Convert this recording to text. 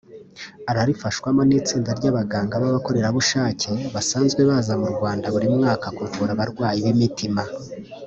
Ararifashwamo n’itsinda ry’abaganga b’abakorerabushake basanzwe baza mu Rwanda buri mwaka kuvura abarwayi b’imitima